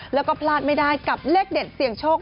แล้วก็พลาดไม่ได้กับเลขเด็ดเสี่ยงโชค